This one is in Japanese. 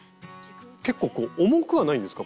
結構重くはないんですか？